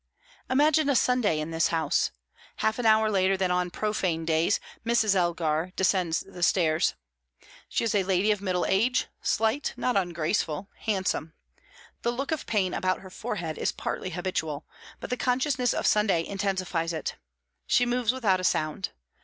Imagine a Sunday in this house. Half an hour later than on profane days, Mrs. Elgar descends the stairs. She is a lady of middle age, slight, not ungraceful, handsome; the look of pain about her forehead is partly habitual, but the consciousness of Sunday intensifies it. She moves without a sound.